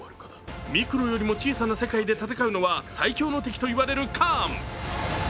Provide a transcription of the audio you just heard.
ミクロよりも小さな世界で闘うのは最凶の敵と言われるカーン。